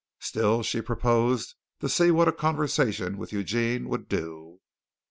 Still, she proposed to see what a conversation with Eugene would do.